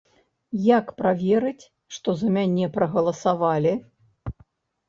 Як праверыць, што за мяне прагаласавалі?